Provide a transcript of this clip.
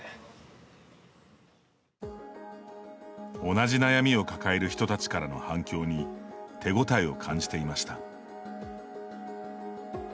同じ悩みを抱える人たちからの反響に手応えを感じていました。